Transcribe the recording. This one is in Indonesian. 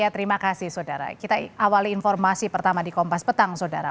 terima kasih saudara kita awali informasi pertama di kompas petang saudara